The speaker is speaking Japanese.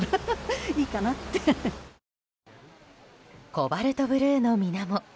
コバルトブルーのみなも。